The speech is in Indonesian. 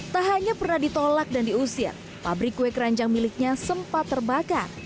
tak hanya pernah ditolak dan diusir pabrik kue keranjang miliknya sempat terbakar